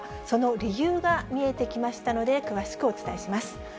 その理由が見えてきましたので、詳しくお伝えします。